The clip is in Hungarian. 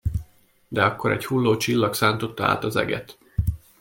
De akkor egy hulló csillag szántotta át az eget.